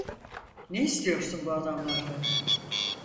Ne istiyorsun bu adamlardan?